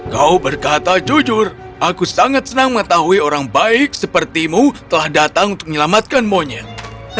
kau berkata jujur aku sangat senang mengetahui orang baik sepertimu telah datang untuk menyelamatkan monyet